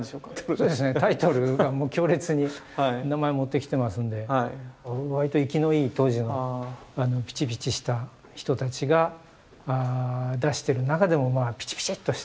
そうですねタイトルがもう強烈に名前持ってきてますんで割と生きのいい当時のピチピチした人たちが出してる中でもまあピチピチッとした。